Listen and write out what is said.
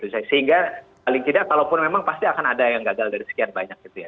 sehingga paling tidak kalaupun memang pasti akan ada yang gagal dari sekian banyak gitu ya